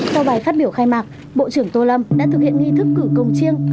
sau bài phát biểu khai mạc bộ trưởng tô lâm đã thực hiện nghi thức cử công chiêng